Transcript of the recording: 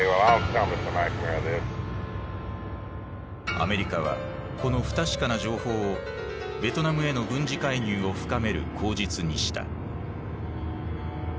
アメリカはこの不確かな情報をベトナムへの軍事介入を深める口実にした。